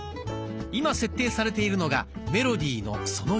今設定されているのがメロディのその１。